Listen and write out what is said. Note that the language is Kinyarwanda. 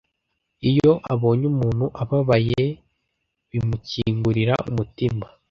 Iyo abonye umuntu ababaye, bimukingurira umutima.